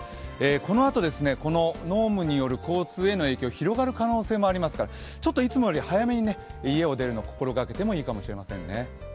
このあとこの濃霧による交通への影響、広がる可能性もありますから、いつもより早めに家を出るのを心がけてもいいかもしれませんね。